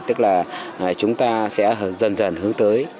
tức là chúng ta sẽ dần dần hướng tới